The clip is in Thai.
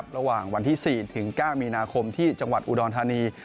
ระหว่างวันที่๔ถึง๙มีนาคมที่จังหวัดอุดรธานี